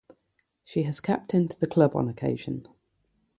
She has captained the club on occasion.